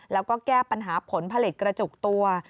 แล้วก็แก้ปัญหาผลผลิตกระจุกตัว